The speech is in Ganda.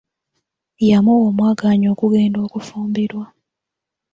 Yamuwa omwagaanya okugenda okufumbirwa.